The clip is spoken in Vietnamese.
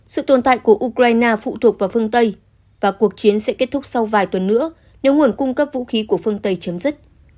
sự tồn tại của ukraine phụ thuộc vào phương tây và cuộc chiến sẽ kết thúc sau vài tuần nữa nếu nguồn cung cấp vũ khí của phương tây chấm dứt